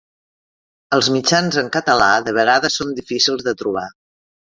Els mitjans en català de vegades són difícils de trobar.